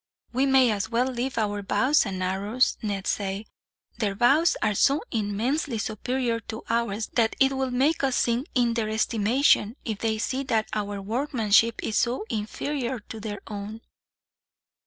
"We may as well leave our bows and arrows," Ned said. "Their bows are so immensely superior to ours that it will make us sink in their estimation, if they see that our workmanship is so inferior to their own."